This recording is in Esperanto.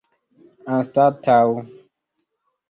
anstataŭ